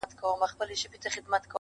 چي خپه راڅخه نه سې په پوښتنه؛